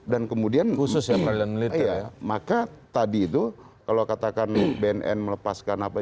dan kemudian maka tadi itu kalau katakan bnn melepaskan apa